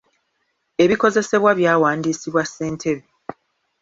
Ebikozesebwa byawandiisibwa ssentebe.